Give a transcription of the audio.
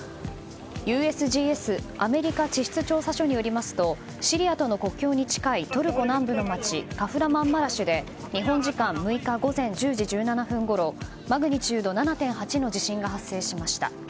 ＵＳＧＳ・アメリカ地質調査所によりますとシリアとの国境に近いトルコ南部の街カフラマンマラシュで日本時間６日午前１０時１７分ごろマグニチュード７．８の地震が発生しました。